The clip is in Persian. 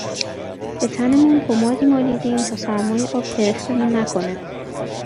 به تنمون پمادی مالیدیم تا سرمای آب کرختمون نکنه